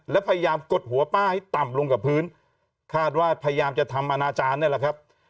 แล้วพยายามกดหัวป้าให้ต่ำลงกับพื้นคาดว่าพยายามจะทำอนาจารย์นี่แหละครับ